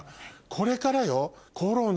これからよ。